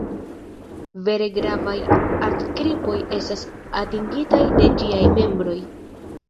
Vere gravaj art-kripoj estas atingitaj de ĝiaj membroj.